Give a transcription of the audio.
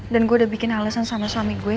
dan gue udah bikin alasan sama suami gue